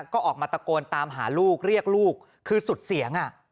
ก็ออกมาตะโกนตามหาลูกเรียกลูกคือสุดเสียง